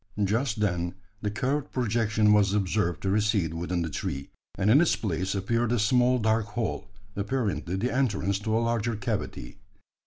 Just then the curved projection was observed to recede within the tree; and in its place appeared a small dark hole, apparently the entrance to a larger cavity.